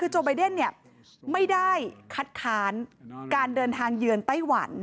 โจไบเดนไม่ได้คัดค้านการเดินทางเยือนไต้หวัน